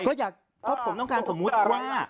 ก็อยากเพราะผมต้องการสมมุติว่า